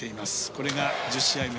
これが１０試合目。